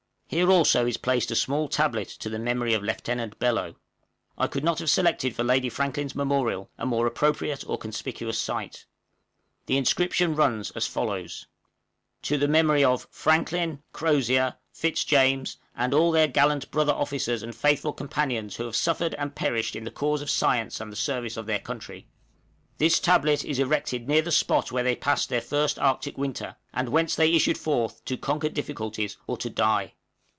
Here also is placed a small tablet to the memory of Lieutenant Bellot. I could not have selected for Lady Franklin's memorial a more appropriate or conspicuous site. The inscription runs as follows: {THE INSCRIPTION.} TO THE MEMORY OF FRANKLIN, CROZIER, FITZJAMES, AND ALL THEIR GALLANT BROTHER OFFICERS AND FAITHFUL COMPANIONS WHO HAVE SUFFERED AND PERISHED IN THE CAUSE OF SCIENCE AND THE SERVICE OF THEIR COUNTRY. THIS TABLET IS ERECTED NEAR THE SPOT WHERE THEY PASSED THEIR FIRST ARCTIC WINTER, AND WHENCE THEY ISSUED FORTH TO CONQUER DIFFICULTIES OR TO DIE.